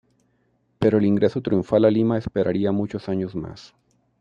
Pero el ingreso triunfal a Lima esperaría muchos años más.